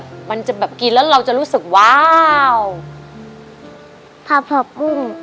พัดผักปุ้ง